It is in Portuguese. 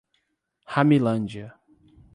Ramilândia